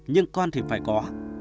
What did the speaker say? nhưng con thì phải có